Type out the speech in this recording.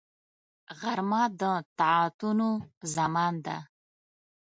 غرمه د طاعتونو زمان ده